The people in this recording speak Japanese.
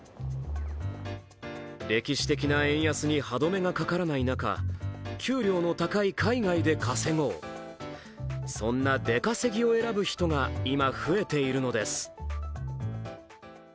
歴史的な円安に歯止めがかからない中、給料の高い海外で稼ごう、そんな出稼ぎを選ぶ人が今、増えているのです。